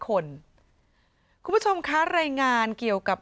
กลุ่มคุณผู้ชมครับรายงานเกี่ยวกับ